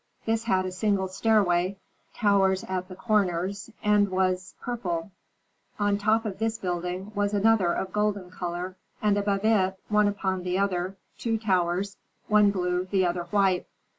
This had a single stairway, towers at the corners, and was purple. On the top of this building was another of golden color, and above it, one upon the other, two towers one blue, the other white.